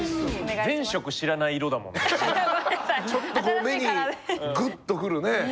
ちょっとこう目にグッとくるね。